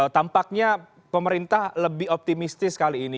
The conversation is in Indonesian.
tampaknya pemerintah lebih optimistis kali ini